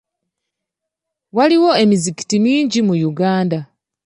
Waliwo emizikiti mingi mu Uganda .